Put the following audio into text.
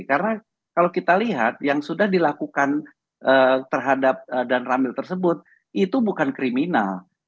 karena kalau kita lihat yang sudah dilakukan terhadap dan rambil tersebut itu bukan kriminal